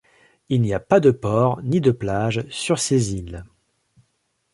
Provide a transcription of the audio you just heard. Il n'y a pas de port ni de plage sur ces îles.